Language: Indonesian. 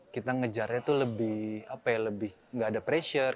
kita ngejarnya tuh lebih apa ya lebih nggak ada pressure